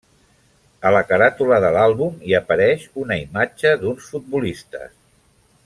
A la caràtula de l'àlbum hi apareix una imatge d'uns futbolistes.